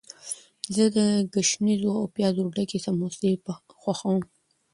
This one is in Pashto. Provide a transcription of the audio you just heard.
زه د ګشنیزو او پیازو ډکې سموسې خوښوم.